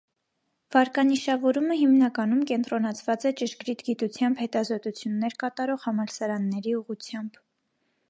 Վարկանիշավորումը հիմնականում կենտրոնացված է ճշգրիտ գիտությամբ հետազոտություններ կատարող համալսարանների ուղղությամբ։